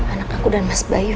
anak aku dan mas bayu